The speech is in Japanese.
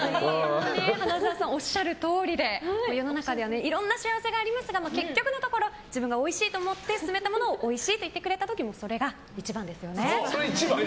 花澤さんがおっしゃるとおりで世の中にはいろんな幸せがありますが結局のところ、自分がおいしいと思って勧めたものをおいしいって言ってくれた時それが一番ですよね。